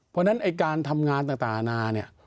เพราะฉะนั้นไอ้การทำงานต่างอาณา